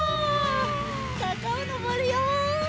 さかをのぼるよ。